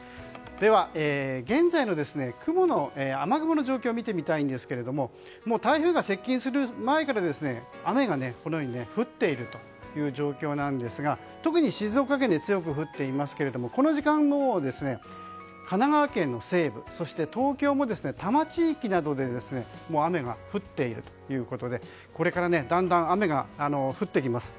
では、現在の雨雲の状況を見てみたいんですが台風が接近する前から雨が降っているという状況ですが特に静岡県で強く降っていますがこの時間の神奈川県の西部そして東京でも多摩地域などで雨が降っているということでこれからだんだん雨が降ってきます。